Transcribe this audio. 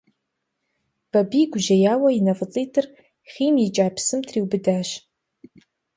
Бабий гужьеяуэ и нэ фӀыцӀитӀыр хъийм икӀа псым триубыдащ.